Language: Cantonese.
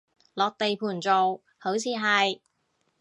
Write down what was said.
落地盤做，好似係